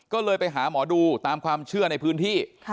ก็เลยไปหาหมอดูตามความเชื่อในพื้นที่